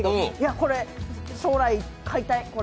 これ将来買いたい、これ！